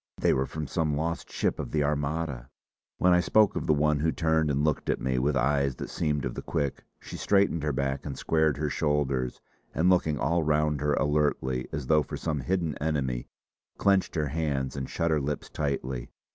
They were from some lost ship of the Armada!" When I spoke of the one who turned and looked at me with eyes that seemed of the quick, she straightened her back and squared her shoulders, and looking all round her alertly as though for some hidden enemy, clenched her hands and shut her lips tightly.